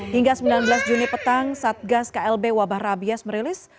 hingga sembilan belas juni petang satgas klb wabah rabies merilis